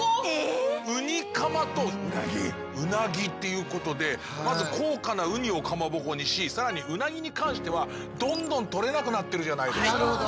ウニかまとうなぎっていうことでまず高価なウニをかまぼこにし更にうなぎに関してはどんどん取れなくなってるじゃないですか。